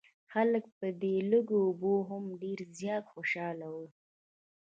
خلک پر دې لږو اوبو هم ډېر زیات خوشاله وو.